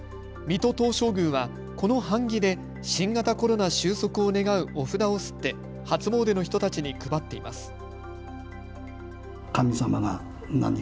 水戸東照宮はこの版木で新型コロナ収束を願うお札を刷って初詣の人たちに配っています。